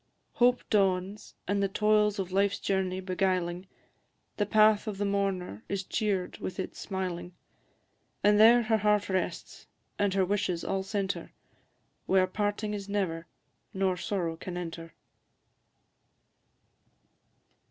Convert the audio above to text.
Hope dawns and the toils of life's journey beguiling, The path of the mourner is cheer'd with its smiling; And there her heart rests, and her wishes all centre, Where parting is never nor sorrow can enter.